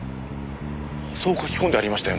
そう書き込んでありましたよね。